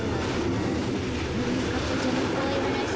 ももかっぱちゃんのこわいはなし